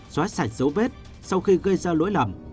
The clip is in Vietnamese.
xóa sạch dấu vết sau khi gây ra lỗi lầm